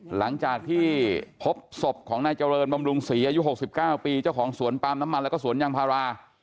หลังจากที่พบศพของนายเจริญบำรุงศรีอายุ๖๙ปีเจ้าของสวนปาล์มน้ำมันแล้วก็สวนยางพารา